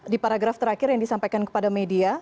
di paragraf terakhir yang disampaikan kepada media